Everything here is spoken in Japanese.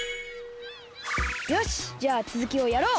よしじゃあつづきをやろう！